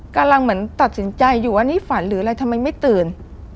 กำลังเหมือนตัดสินใจอยู่ว่านี่ฝันหรืออะไรทำไมไม่ตื่น